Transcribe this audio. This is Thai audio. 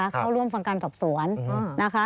เข้าร่วมฟังการสอบสวนนะคะ